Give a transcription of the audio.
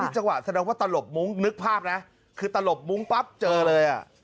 จังหวัดแสดงว่าตะหลบมุ้งคือตะหลบมุ้งป๊๊ะเจอเลย